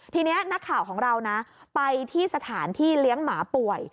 ทีนี้นักข่าวของเรานะไปที่สถานที่เลี้ยงหมาป่วย